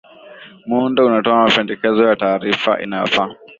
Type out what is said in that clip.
muundo unatoa mapendekezo ya tarifa inayofaa